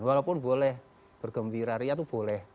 walaupun boleh bergembira ria itu boleh